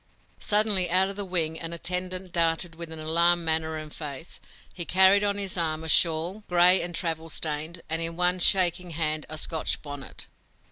Suddenly out of the wing an attendant darted with alarmed manner and face. He carried on his arm a shawl, gray and travel stained, and in one shaking hand a Scotch bonnet.